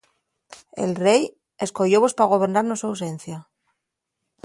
El rei escoyóvos pa gobernar na so ausencia.